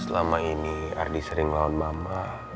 selama ini ardi sering lawan mama